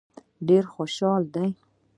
ډېر خوشاله دي.